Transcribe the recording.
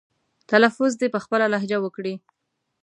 تلفظ دې په خپله لهجه وکړي.